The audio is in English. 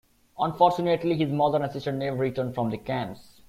Unfortunately, his mother and sister never returned from the camps.